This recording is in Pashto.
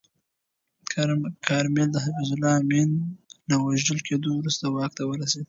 کارمل د حفیظالله امین له وژل کېدو وروسته واک ته ورسید.